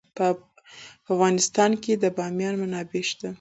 په افغانستان کې د بامیان منابع شته.